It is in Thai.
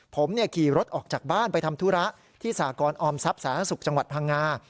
ผมขี่รถออกจากบ้านไปทำธุระที่สากรออมทรัพย์สาธารณสุขจังหวัดพังงา